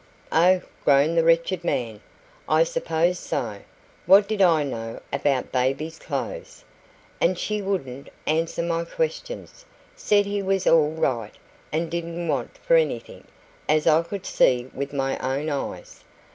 "Oh," groaned the wretched man, "I suppose so. What did I know about a baby's clothes? And she wouldn't answer my questions said he was all right, and didn't want for anything, as I could see with my own eyes.